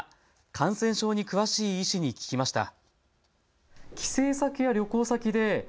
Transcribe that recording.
感染症に詳しい医師に聞きました。